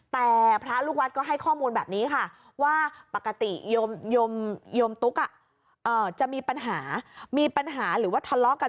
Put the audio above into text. แต่พระลูกวัดก็ให้ข้อมูลแบบนี้ค่ะว่าปกติโยมตุ๊กจะมีปัญหามีปัญหาหรือว่าทะเลาะกัน